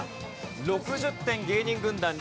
６０点芸人軍団リード。